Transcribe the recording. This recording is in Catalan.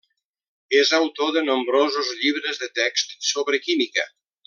És autor de nombrosos llibres de texts sobre química.